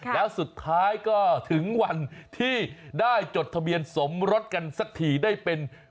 แล้วสุดท้ายก็ถึงวันที่ได้จดทะเบียนสมรสกันสักทีได้เป็น